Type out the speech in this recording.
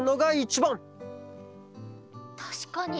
たしかに。